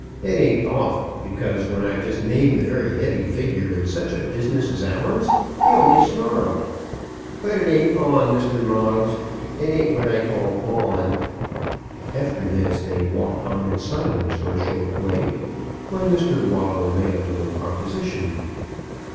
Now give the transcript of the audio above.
It ain't off, because when I just named the very heavy figure in such a business as ours, he only snarled. But it ain't on, Mr. Moggs. It ain't what I call, on." After this they walked on in silence for a short way, when Mr. Waddle made a little proposition.